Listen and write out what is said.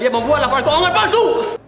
dia membuat lapangan keuangan palsu